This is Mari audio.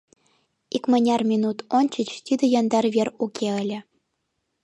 Икмыняр минут ончыч тиде яндар вер уке ыле.